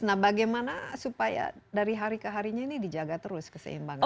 nah bagaimana supaya dari hari ke harinya ini dijaga terus keseimbangannya